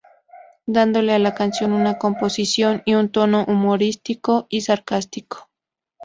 Dándole a la canción una composición y un tono humorístico y sarcástico.